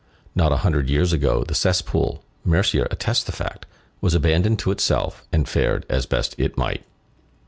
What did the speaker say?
Not a hundred years ago, the cesspool, Mercier attests the fact, was abandoned to itself, and fared as best it might.